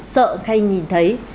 sợ hay nhìn thấy